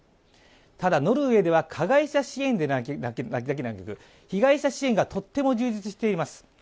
ただ、ノルウェーでは加害者支援だけでなく被害者支援がとても充実しています。